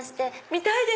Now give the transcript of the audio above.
見たいです！